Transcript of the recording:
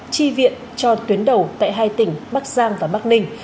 chi viện cho tuyến đầu tại hai tỉnh bắc giang và bắc ninh